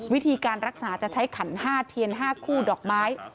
วิธีการรักษาจะใช้ขัน๕เทียน๕คู่ดอกไม้